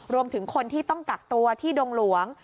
รวมถึงคนที่ต้องกักตัวที่ดงหลวง